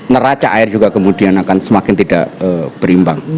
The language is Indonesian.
neraca air juga kemudian akan semakin tidak berimbang